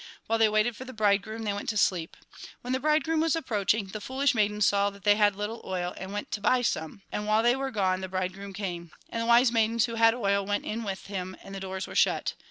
"While they waited for the bridegroom, they went to sleep. When the bridegroom was approaching, the foolish maidens saw that they had httle oil, and went to buy some ; and while they were gone, the bridegroom came. And the wise maidens who had oil went in with him, and the doors were shut.